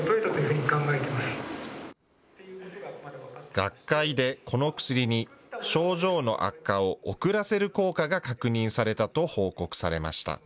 学会でこの薬に症状の悪化を遅らせる効果が確認されたと報告されました。